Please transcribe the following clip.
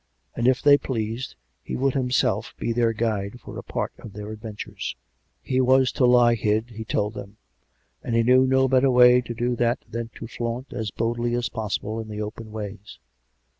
And, if they pleased, he would himself be their guide for a part of their adven tures. He was to lie hid, he told them; and he knew no better way to do that than to flaunt as boldly as possible in the open ways.